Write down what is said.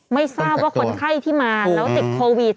ไม่ทราบว่าคนไข้ที่มาแล้วติดโควิด